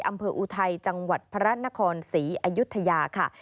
อำเภออูทัยจังหวัดพระรัตนครศรีอายุทยาค่ะ